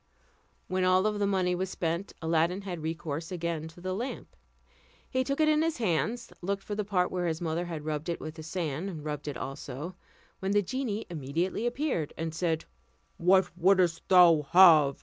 When all the money was spent, Aladdin had recourse again to the lamp. He took it in his hands, looked for the part where his mother had rubbed it with the sand, rubbed it also, when the genie immediately appeared, and said, "What wouldst thou have?